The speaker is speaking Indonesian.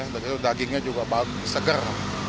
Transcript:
begitu dagingnya juga segar